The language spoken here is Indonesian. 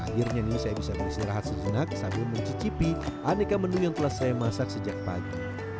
akhirnya nih saya bisa beristirahat sejenak sambil mencicipi aneka menu yang telah saya masak sejak pagi